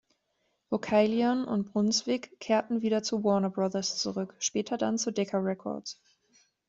Vocalion und Brunswick kehrten wieder zu Warner Brothers zurück, später dann zu Decca Records.